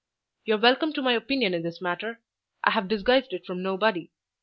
You're welcome to my opinion in this matter; I have disguised it from nobody.